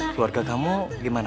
keluarga kamu gimana